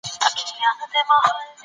حقوقپوهان چیري نوي ډیپلوماټیک اسناد ساتي؟